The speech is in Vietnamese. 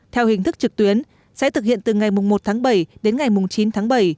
theo hình thức trực tuyến sẽ thực hiện từ ngày một tháng bảy đến ngày chín tháng bảy